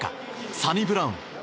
サニブラウン。